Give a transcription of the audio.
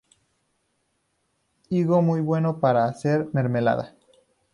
Higo muy bueno para hacer mermelada.